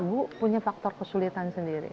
bu punya faktor kesulitan sendiri